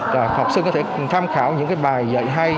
và học sinh có thể tham khảo những cái bài dạy hay